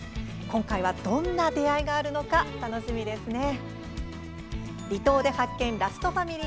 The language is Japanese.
今回はどんな出会いがあるのか楽しみですね。